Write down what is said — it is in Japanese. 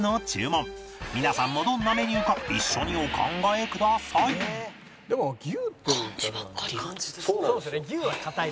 皆さんもどんなメニューか一緒にお考えくださいそうなの。